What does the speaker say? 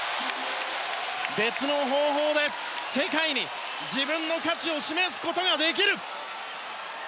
別の方法で世界に自分の価値を示すことができる。